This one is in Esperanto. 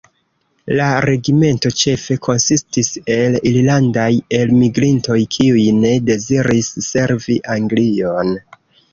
La regimento ĉefe konsistis el irlandaj elmigrintoj, kiuj ne deziris servi Anglion.